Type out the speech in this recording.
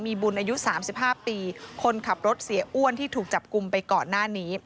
มีบุญอายุ๓๕ปีคนขับรถเสียอ้วนที่ถูกจับกลุ่มไปก่อนหน้านี้